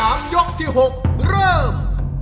๓รอบยกที่๖เริ่ม